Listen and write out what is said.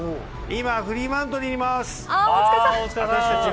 今、フリーマントルにいます。